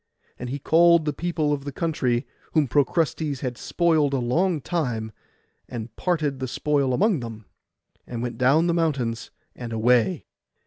And he called the people of the country, whom Procrustes had spoiled a long time, and parted the spoil among them, and went down the mountains, and away.